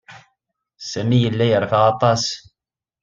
Sami yella yerfa aṭas.